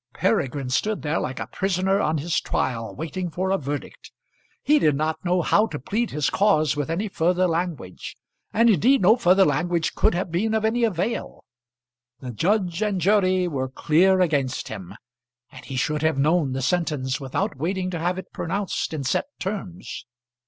Peregrine stood there, like a prisoner on his trial, waiting for a verdict. He did not know how to plead his cause with any further language; and indeed no further language could have been of any avail. The judge and jury were clear against him, and he should have known the sentence without waiting to have it pronounced in set terms.